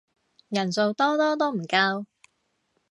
人數多多都唔夠